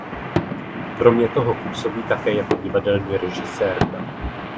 Kromě toho působí také jako divadelní režisérka.